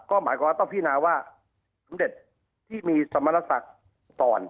ก็หมายความว่าต้องพินาว่าสมเด็จที่มีสมรสักก่อน